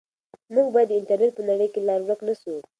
موږ باید د انټرنیټ په نړۍ کې لار ورک نه سو.